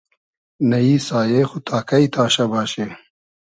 نئیی سایې خو تا کݷ تاشۂ باشی